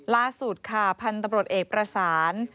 ล่าสุดค่ะพันธุ์ตำรวจเอกประสาน